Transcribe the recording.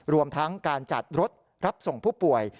รวมทั้งการจัดรถรับส่งผู้ป่วย